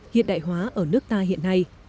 hiện đại hóa ở nước ta hiện nay